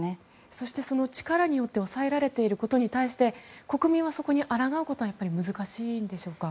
そして、力によって抑えられていることに対して国民はそこにあらがうことは難しいんでしょうか。